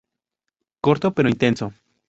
Corto pero intenso.